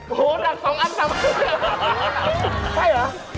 โอ้โฮดังสองอันสำคัญ